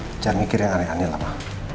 caranya jangan mikir yang aneh aneh lah ma